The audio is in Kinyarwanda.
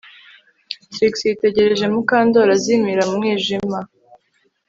Trix yitegereje Mukandoli azimira mu mwijima